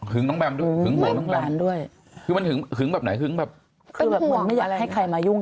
หึงน้องแม่ด้วยเขนของแข็งแบบนี้ใครขึ้นไม่ยังให้มายุ่ง